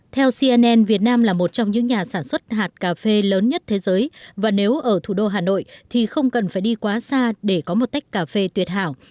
theo cnn việt nam là một trong những nhà sản xuất hạt cà phê lớn nhất thế giới và nếu ở thủ đô hà nội thì không cần phải đi quá xa để có một tách cà phê tuyệt hảo